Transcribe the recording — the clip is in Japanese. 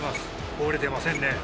折れてませんね。